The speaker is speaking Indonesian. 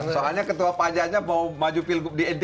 soalnya ketua pajanya mau maju pilgub di ntt